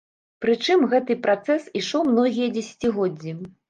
Пры чым гэты працэс ішоў многія дзесяцігоддзі.